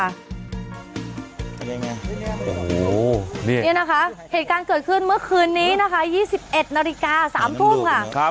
อันนี้นะคะเหตุการณ์เกิดขึ้นเมื่อคืนนี้นะคะ๒๑นาฬิกา๓ทุ่งค่ะ